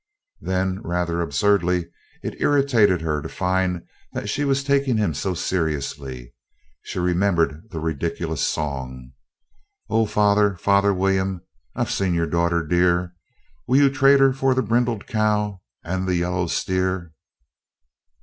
Then, rather absurdly, it irritated her to find that she was taking him so seriously. She remembered the ridiculous song: "Oh, father, father William, I've seen your daughter dear. Will you trade her for the brindled cow and the yellow steer?"